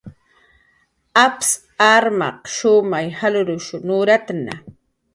Apsaq armaq shumay jalrus nuratna